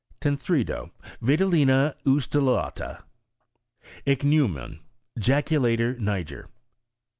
Tenthredo. Vitellina, ustulata. Ichneumon. Jaculator niger.